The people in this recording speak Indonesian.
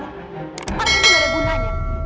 pokoknya ini gak ada gunanya